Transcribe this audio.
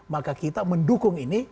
maka kita mendukung ini